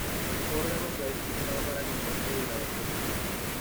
El órgano se ha utilizado para conciertos y grabaciones.